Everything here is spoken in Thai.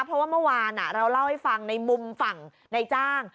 เพราะว่าเมื่อวานเราเล่าให้ฟังในมุมฝั่งในจ้าง